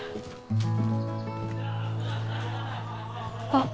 ・あっ。